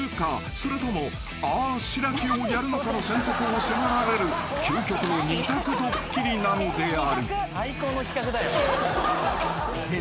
［それともあぁしらきをやるのかの選択を迫られる究極の２択ドッキリなのである］